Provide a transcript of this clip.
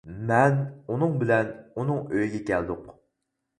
مەن ئۇنىڭ بىلەن ئۇنىڭ ئۆيىگە كەلدۇق.